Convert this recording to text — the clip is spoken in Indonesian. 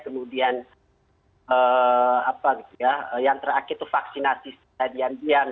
kemudian yang terakhir itu vaksinasi sedia dian